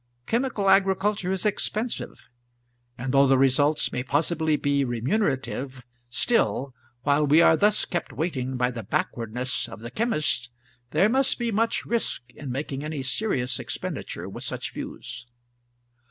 Chemical agriculture is expensive; and though the results may possibly be remunerative, still, while we are thus kept waiting by the backwardness of the chemists, there must be much risk in making any serious expenditure with such views.